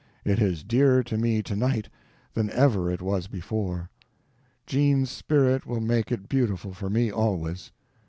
It is dearer to me tonight than ever it was before. Jean's spirit will make it beautiful for me always.